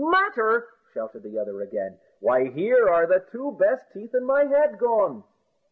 "Matter!" shouted the other again; "why, here are the two best teeth in my head gone."